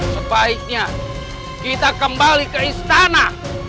sebaiknya kita kembali ke istana